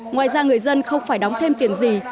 ngoài ra người dân không phải đóng thêm tiền gì